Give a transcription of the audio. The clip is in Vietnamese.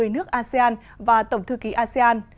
một mươi nước asean và tổng thư ký asean